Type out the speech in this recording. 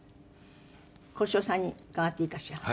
幸四郎さんに伺っていいかしら？